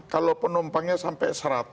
kalau penumpangnya sampai seratus